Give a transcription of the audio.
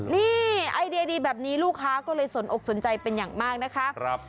นี่ไอเดียดีแบบนี้ลูกค้าก็เลยสนอกสนใจเป็นอย่างมากนะคะ